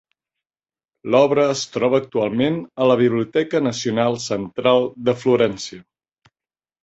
L'obra es troba actualment a la Biblioteca Nacional Central de Florència.